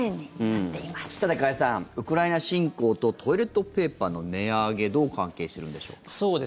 さて、加谷さんウクライナ侵攻とトイレットペーパーの値上げどう関係しているんでしょうか。